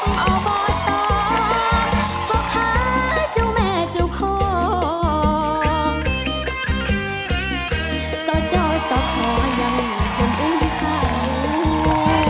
พ่อค้าเจ้าแม่เจ้าพ่อส่อเจ้าส่อข่อยังควรอุ้มข่าว